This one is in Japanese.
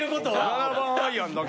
７番アイアンだけ。